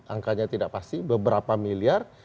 angkanya tidak pasti beberapa miliar